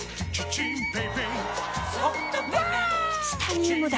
チタニウムだ！